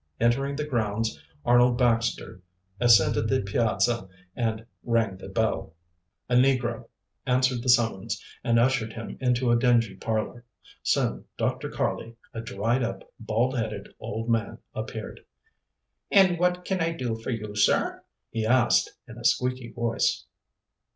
Entering the grounds, Arnold Baxter ascended the piazza and rang the bell. A negro answered the summons, and ushered him into a dingy parlor. Soon Dr. Karley, a dried up, bald headed, old man appeared. "And what can I do for you, sir?" he asked, in a squeaky voice.